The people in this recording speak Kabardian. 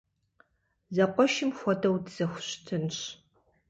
Зэкъуэшым хуэдэу дызэхущытынщ.